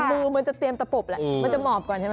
มือมันจะเตรียมตะปบแหละมันจะหมอบก่อนใช่ไหม